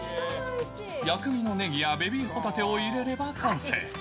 薬味のネギやベビーほたてを入れれば完成。